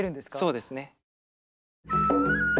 そうですね。